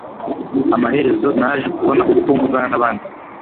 Amaherezo naje kubona uko mvugana n'abandi